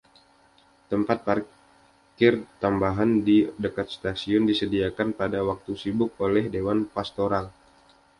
Tempat parkir tambahan di dekat stasiun disediakan pada waktu sibuk oleh Dewan Pastoral.